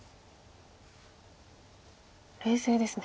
冷静ですね。